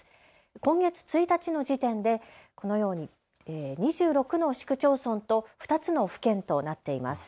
今月１日の時点でこのように２６の市区町村と２つの府県となっています。